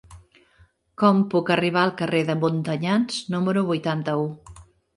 Com puc arribar al carrer de Montanyans número vuitanta-u?